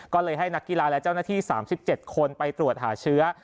ก็เลยให้นักกีฬาและเจ้าหน้าที่๓๗คนไปตรวจหาเชื้อ